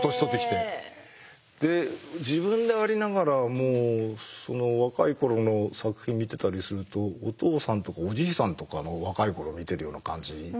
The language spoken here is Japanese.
で自分でありながら若い頃の作品見てたりするとお父さんとかおじいさんとかの若い頃見てるような感じになってくる。